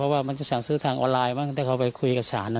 น่าจะเป็นทั้งนี้ทั้งเลขของเขาเลย